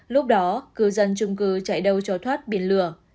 lúc đó cư dân trung cư chạy đâu cho thoát biển lửa